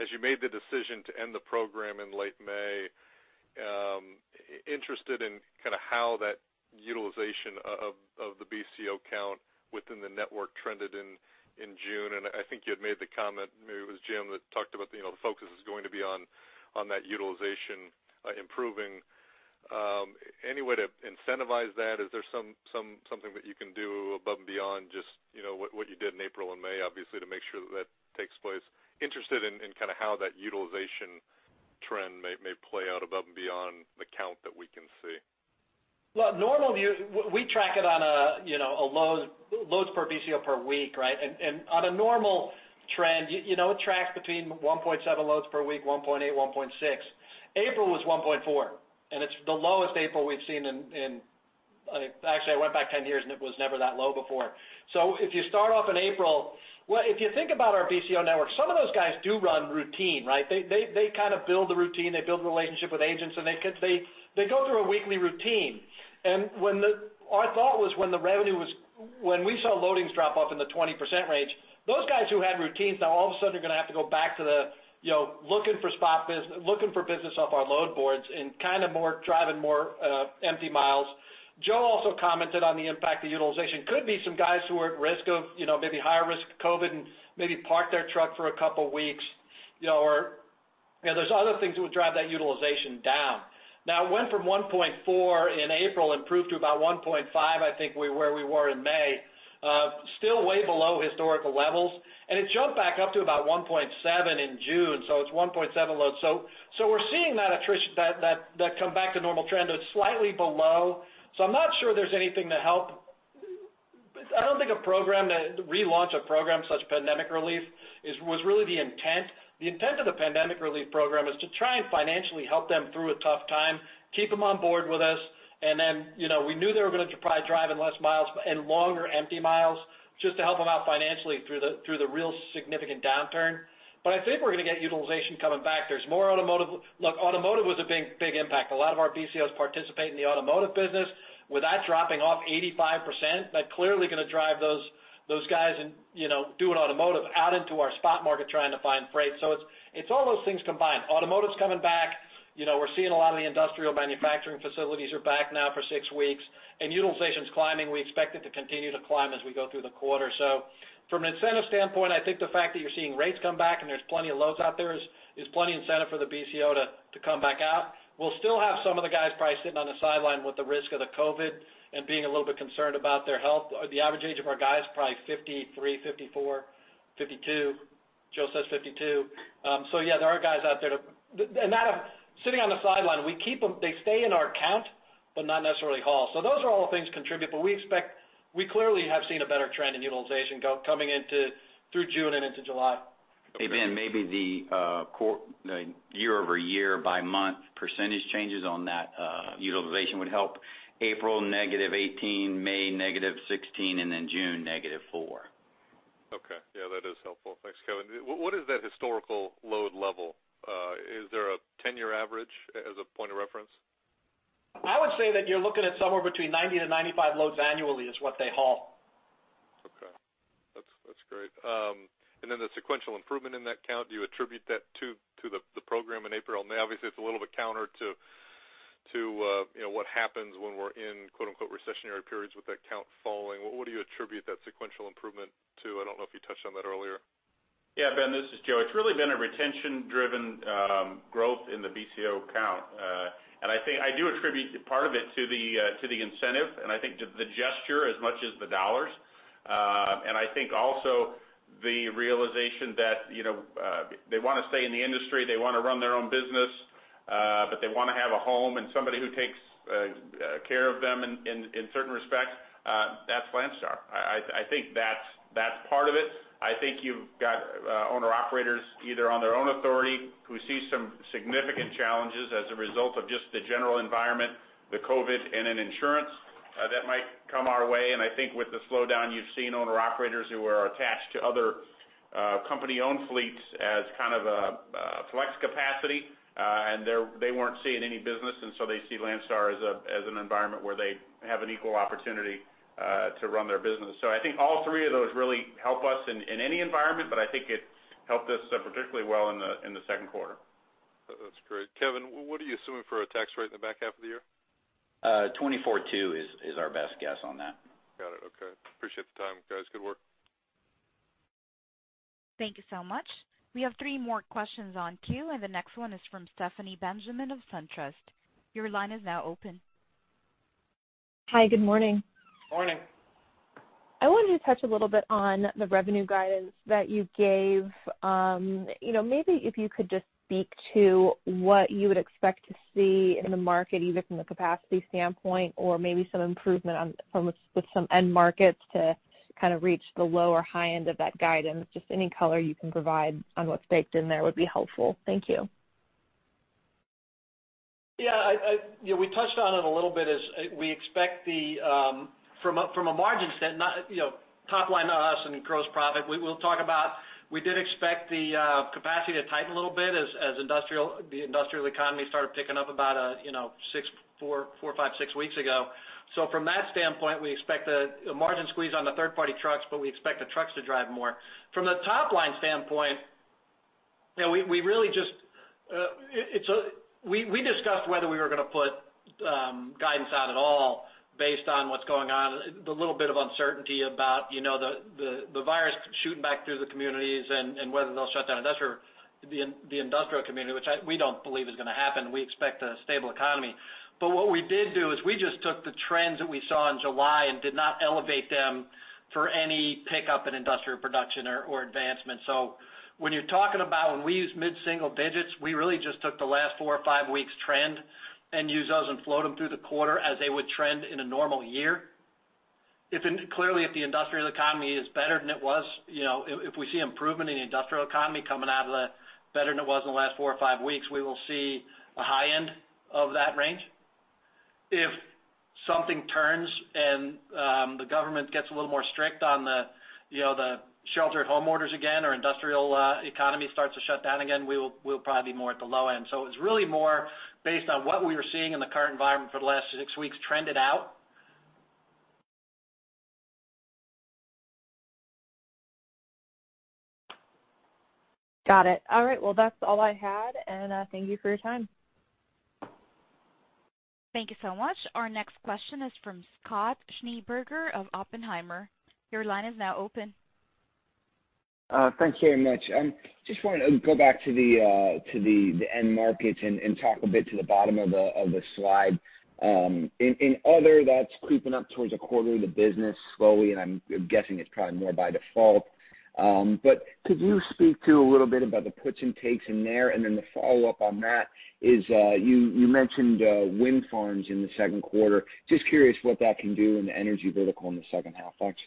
as you made the decision to end the program in late May, interested in kind of how that utilization of the BCO count within the network trended in June, and I think you had made the comment, maybe it was Jim, that talked about, you know, the focus is going to be on that utilization improving. Any way to incentivize that? Is there something that you can do above and beyond just, you know, what, what you did in April and May, obviously, to make sure that that takes place? Interested in, in kind of how that utilization trend may play out above and beyond the count that we can see. Well, normally, we track it on a, you know, loads per BCO per week, right? And on a normal trend, you know, it tracks between 1.7% loads per week, 1.8%, 1.6%. April was 1.4, and it's the lowest April we've seen in, I think—actually, I went back 10 years, and it was never that low before. So if you start off in April... Well, if you think about our BCO network, some of those guys do run routine, right? They kind of build the routine, they build the relationship with agents, and they could—they go through a weekly routine. And when the... Our thought was when the revenue was, when we saw loadings drop off in the 20% range, those guys who had routines, now all of a sudden are going to have to go back to the, you know, looking for spot business off our load boards and kind of more, driving more empty miles. Joe also commented on the impact of utilization. Could be some guys who are at risk of, you know, maybe higher risk of COVID and maybe park their truck for a couple weeks, you know, or, you know, there's other things that would drive that utilization down. Now, it went from 1.4% in April, improved to about 1.5%, I think we, where we were in May. Still way below historical levels, and it jumped back up to about 1.7% in June, so it's 1.7% loads. So we're seeing that attrition, that come back to normal trend. It's slightly below, so I'm not sure there's anything to help. I don't think a program, that relaunch a program such as Pandemic Relief is, was really the intent. The intent of the Pandemic Relief Program is to try and financially help them through a tough time, keep them on board with us, and then, you know, we knew they were going to be probably driving less miles and longer empty miles, just to help them out financially through the, through the real significant downturn. But I think we're going to get utilization coming back. There's more automotive. Look, automotive was a big, big impact. A lot of our BCOs participate in the automotive business. With that dropping off 85%, that's clearly going to drive those guys in, you know, doing automotive out into our spot market, trying to find freight. So it's all those things combined. Automotive's coming back. You know, we're seeing a lot of the industrial manufacturing facilities are back now for six weeks, and utilization's climbing. We expect it to continue to climb as we go through the quarter. So from an incentive standpoint, I think the fact that you're seeing rates come back and there's plenty of loads out there is plenty incentive for the BCO to come back out. We'll still have some of the guys probably sitting on the sideline with the risk of the COVID and being a little bit concerned about their health. The average age of our guys is probably 53, 54, 52. Joe says 52. So yeah, there are guys out there that, and not sitting on the sideline, we keep them, they stay in our count, but not necessarily haul. So those are all things contribute, but we expect, we clearly have seen a better trend in utilization coming into, through June and into July. Hey, Ben, maybe the quarter, the year-over-year by month percentage changes on that utilization would help. April, -18%, May, -16%, and then June, -4%. Okay. Yeah, that is helpful. Thanks, Kevin. What, what is that historical load level? Is there a ten-year average as a point of reference? I would say that you're looking at somewhere between 90%-95% loads annually is what they haul. Okay. That's great. Then the sequential improvement in that count, do you attribute that to the program in April and May? Obviously, it's a little bit counter to, you know, what happens when we're in quote-unquote "recessionary periods" with that count falling. What do you attribute that sequential improvement to? I don't know if you touched on that earlier. Yeah, Ben, this is Joe. It's really been a retention-driven growth in the BCO count. And I think I do attribute part of it to the incentive, and I think to the gesture as much as the dollars. And I think also the realization that, you know, they want to stay in the industry, they want to run their own business, but they want to have a home and somebody who takes care of them in certain respects, that's Landstar. I think that's part of it. I think you've got owner-operators, either on their own authority, who see some significant challenges as a result of just the general environment, the COVID, and in insurance that might come our way. And I think with the slowdown, you've seen owner-operators who are attached to other company-owned fleets as kind of a flex capacity, and they weren't seeing any business, and so they see Landstar as an environment where they have an equal opportunity to run their business. So I think all three of those really help us in any environment, but I think it helped us particularly well in the second quarter. That's great. Kevin, what are you assuming for a tax rate in the back half of the year? 24.2% is our best guess on that. Got it. Okay. Appreciate the time, guys. Good work. Thank you so much. We have three more questions in queue, and the next one is from Stephanie Benjamin of SunTrust. Your line is now open. Hi, good morning. Morning. I wanted to touch a little bit on the revenue guidance that you gave. You know, maybe if you could just speak to what you would expect to see in the market, either from the capacity standpoint or maybe some improvement from, with some end markets to kind of reach the low or high end of that guidance. Just any color you can provide on what's baked in there would be helpful. Thank you. Yeah, we touched on it a little bit as we expect, from a margin standpoint, not, you know, top line to us and in gross profit. We'll talk about. We did expect the capacity to tighten a little bit as the industrial economy started picking up about four, five, six weeks ago. So from that standpoint, we expect the margin squeeze on the third-party trucks, but we expect the trucks to drive more. From the top-line standpoint, you know, we really just discussed whether we were going to put guidance out at all based on what's going on, the little bit of uncertainty about, you know, the virus shooting back through the communities and whether they'll shut down industrial, the industrial community, which we don't believe is going to happen. We expect a stable economy. But what we did do is we just took the trends that we saw in July and did not elevate them for any pickup in industrial production or advancement. So when you're talking about when we use mid-single digits, we really just took the last four or five weeks trend and used those and flowed them through the quarter as they would trend in a normal year. If clearly, if the industrial economy is better than it was, you know, if we see improvement in the industrial economy coming out of the better than it was in the last four or five weeks, we will see a high end of that range. If something turns and the government gets a little more strict on the, you know, the shelter at home orders again or industrial economy starts to shut down again, we will, we'll probably be more at the low end. So it's really more based on what we were seeing in the current environment for the last six weeks, trended out. Got it. All right, well, that's all I had, and thank you for your time. Thank you so much. Our next question is from Scott Schneeberger of Oppenheimer. Your line is now open. Thanks very much. Just wanted to go back to the end markets and talk a bit to the bottom of the slide. In other, that's creeping up towards a quarter of the business slowly, and I'm guessing it's probably more by default. But could you speak to a little bit about the puts and takes in there? And then the follow-up on that is, you mentioned wind farms in the second quarter. Just curious what that can do in the energy vertical in the second half. Thanks.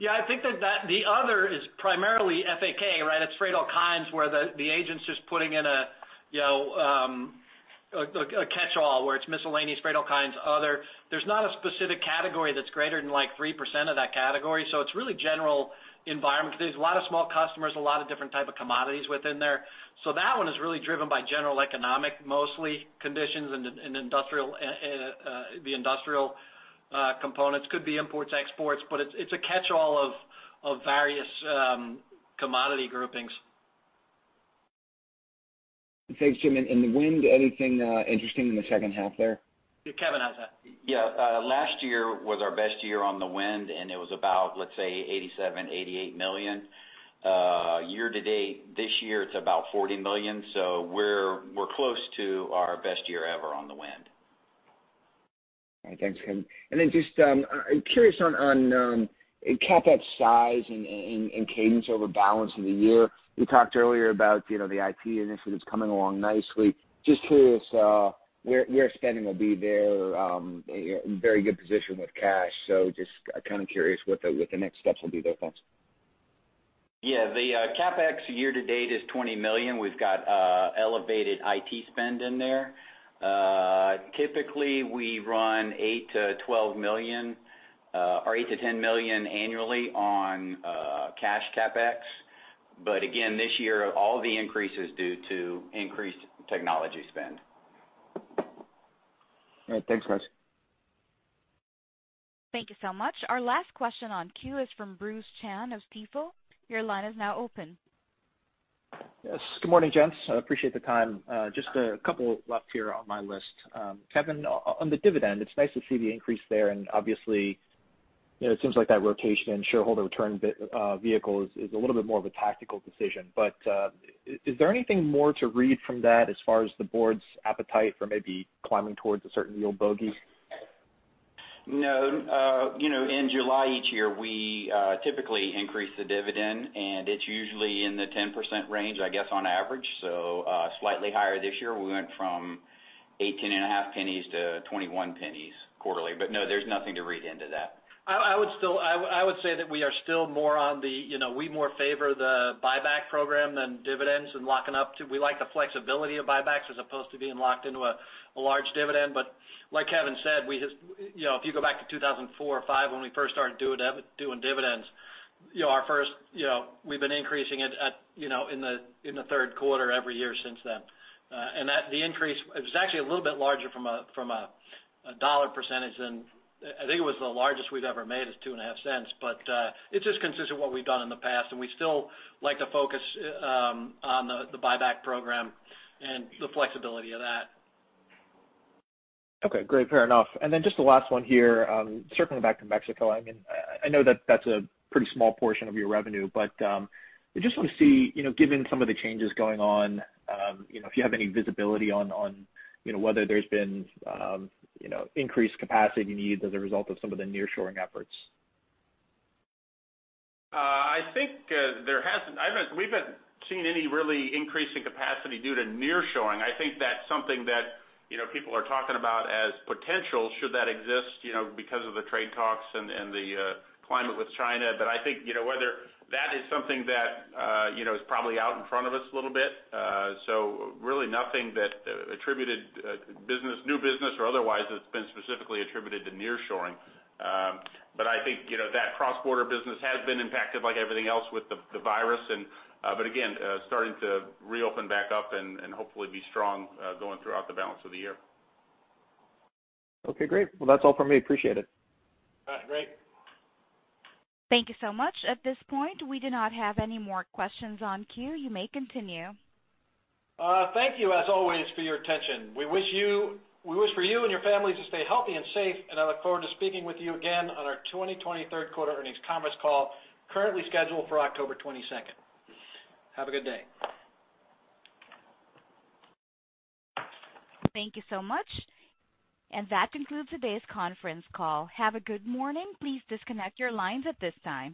Yeah, I think that the other is primarily FAK, right? It's freight all kinds, where the agent's just putting in a, you know, a catchall, where it's miscellaneous, freight all kinds, other. There's not a specific category that's greater than, like, 3% of that category, so it's really general environment. There's a lot of small customers, a lot of different type of commodities within there. So that one is really driven by general economic, mostly, conditions and the industrial components. Could be imports, exports, but it's a catchall of various commodity groupings. Thanks, Jim, and then, anything interesting in the second half there? Yeah, Kevin has that. Yeah, last year was our best year on the wind, and it was about, let's say, $87 million-$88 million. Year to date, this year, it's about $40 million, so we're close to our best year ever on the wind. All right. Thanks, Kevin. And then just curious on CapEx size and cadence over the balance of the year. You talked earlier about, you know, the IT initiatives coming along nicely. Just curious where spending will be there. You're in very good position with cash, so just kind of curious what the next steps will be there. Thanks. Yeah, the CapEx year to date is $20 million. We've got elevated IT spend in there. Typically, we run $8 million-$12 million or $8 million-$10 million annually on cash CapEx. But again, this year, all the increase is due to increased technology spend. All right. Thanks, guys. Thank you so much. Our last question in queue is from Bruce Chan of Stifel. Your line is now open. Yes. Good morning, gents. I appreciate the time. Just a couple left here on my list. Kevin, on the dividend, it's nice to see the increase there, and obviously, you know, it seems like that rotation in shareholder return vehicle is a little bit more of a tactical decision. But, is there anything more to read from that as far as the board's appetite for maybe climbing towards a certain yield bogey? No, you know, in July each year, we typically increase the dividend, and it's usually in the 10% range, I guess, on average. So, slightly higher this year, we went from $0.185-$0.21 quarterly. But no, there's nothing to read into that. I would say that we are still more on the, you know, we more favor the buyback program than dividends and locking up to. We like the flexibility of buybacks as opposed to being locked into a large dividend. But like Kevin said, we just, you know, if you go back to 2004 or 2005, when we first started doing dividends, you know, our first, you know, we've been increasing it, you know, in the third quarter every year since then. And that the increase is actually a little bit larger from a dollar percentage than, I think it was the largest we've ever made is $0.025. But, it's just consistent with what we've done in the past, and we still like to focus on the buyback program and the flexibility of that. Okay, great. Fair enough. And then just the last one here, circling back to Mexico. I mean, I know that that's a pretty small portion of your revenue, but, I just want to see, you know, given some of the changes going on, you know, if you have any visibility on, you know, whether there's been, you know, increased capacity needs as a result of some of the nearshoring efforts. I think we haven't seen any really increasing capacity due to nearshoring. I think that's something that, you know, people are talking about as potential, should that exist, you know, because of the trade talks and the climate with China. But I think, you know, whether that is something that, you know, is probably out in front of us a little bit. So really nothing that attributed business, new business or otherwise, that's been specifically attributed to nearshoring. But I think, you know, that cross-border business has been impacted like everything else with the virus, but again, starting to reopen back up and hopefully be strong going throughout the balance of the year. Okay, great. Well, that's all from me. Appreciate it. All right, great. Thank you so much. At this point, we do not have any more questions in the queue. You may continue. Thank you, as always, for your attention. We wish you and your families to stay healthy and safe, and I look forward to speaking with you again on our 2023 third quarter Earnings Conference Call, currently scheduled for October 22. Have a good day. Thank you so much. That concludes today's conference call. Have a good morning. Please disconnect your lines at this time.